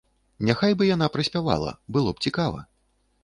Няхай бы яна праспявала, было б цікава.